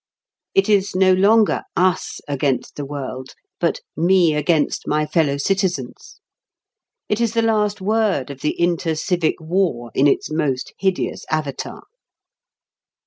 It is no longer "Us against the world!" but "Me against my fellow citizens!" It is the last word of the intercivic war in its most hideous avatar.